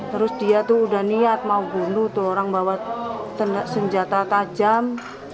terus dia tuh udah niat mau bunuh tuh orang bawa senjata tajam